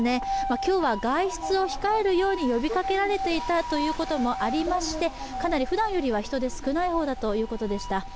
今日は外出を控えるように呼びかけられていたこともありまして、かなりふだんよりは人出が少ない方だということでした。